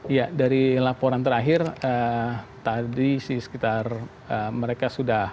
iya dari laporan terakhir tadi sekitar mereka sudah